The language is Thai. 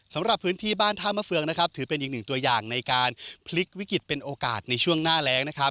สำหรับพื้นที่บ้านท่ามะเฟืองนะครับถือเป็นอีกหนึ่งตัวอย่างในการพลิกวิกฤตเป็นโอกาสในช่วงหน้าแรงนะครับ